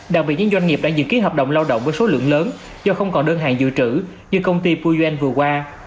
đặc biệt những doanh nghiệp đã dựng ký hợp đồng lao động với số lượng lớn do không còn đơn hàng dự trữ như công ty puyen vừa qua